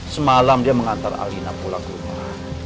semalam dia mengantar alina pulang ke rumah